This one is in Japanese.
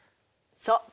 そう。